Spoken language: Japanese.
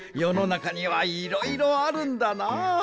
なかにはいろいろあるんだな。